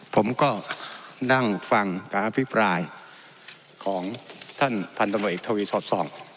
ผมก็นั่งฟังการอภิปรายของท่านพันธนโนเอกทวีทศ๒